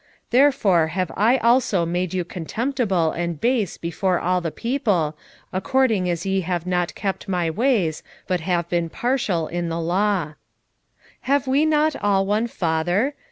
2:9 Therefore have I also made you contemptible and base before all the people, according as ye have not kept my ways, but have been partial in the law. 2:10 Have we not all one father?